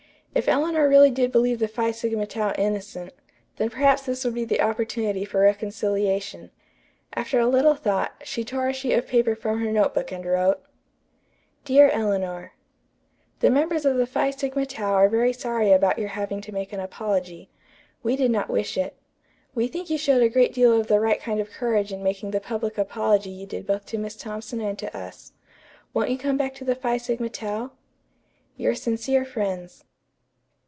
If Eleanor really did believe the Phi Sigma Tau innocent, then perhaps this would be the opportunity for reconciliation. After a little thought, she tore a sheet of paper from her notebook and wrote: "DEAR ELEANOR: "The members of the Phi Sigma Tau are very sorry about your having to make an apology. We did not wish it. We think you showed a great deal of the right kind of courage in making the public apology you did both to Miss Thompson and to us. Won't you come back to the Phi Sigma Tau? "YOUR SINCERE FRIENDS."